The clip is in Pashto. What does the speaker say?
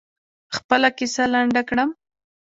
خپله کیسه لنډه کړم.